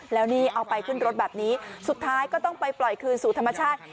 แล้วนี่เอาไปขึ้นรถแบบนี้สุดท้ายก็ต้องไปปล่อยคืนสู่ธรรมชาติ